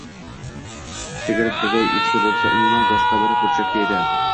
sigir, buzov, echki boʻlsa, umuman boshqa bir burchakda edi.